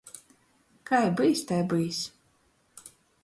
Kai byus, tai byus!